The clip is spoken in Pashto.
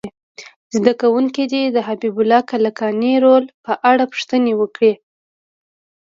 زده کوونکي دې د حبیب الله کلکاني رول په اړه پوښتنې وکړي.